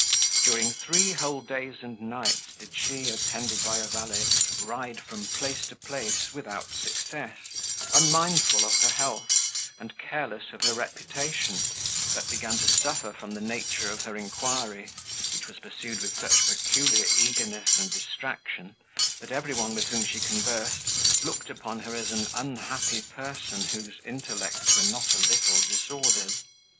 During three whole days and nights did she, attended by a valet, ride from place to place without success, unmindful of her health, and careless of her reputation, that began to suffer from the nature of her inquiry, which was pursued with such peculiar eagerness and distraction, that everybody with whom she conversed, looked upon her as an unhappy person, whose intellects were not a little disordered.